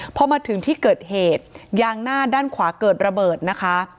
พอมาถึงที่เกิดเหตุยางหน้าด้านขวาเกิดระเบิดนะคะ